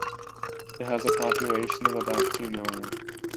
It has a population of about two million.